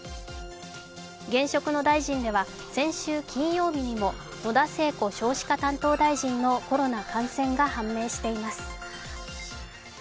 現職の大臣では、先週金曜日にも野田聖子少子化担当大臣のコロナ感染が判明しています。